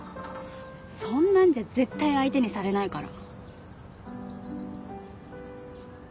そんなんじゃ絶対相手にされないから。